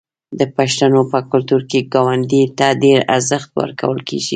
د پښتنو په کلتور کې ګاونډي ته ډیر ارزښت ورکول کیږي.